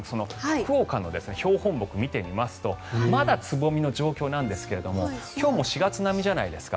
福岡の標本木を見てみますとまだ、つぼみの状況なんですが今日も４月並みじゃないですか。